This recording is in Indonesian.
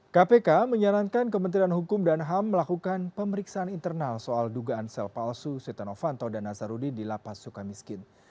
kpk menyarankan kementerian hukum dan ham melakukan pemeriksaan internal soal dugaan sel palsu setanofanto dan nazarudin di lapas suka miskin